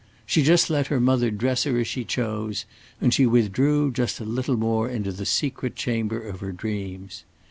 She just let her mother dress her as she chose, and she withdrew just a little more into the secret chamber of her dreams.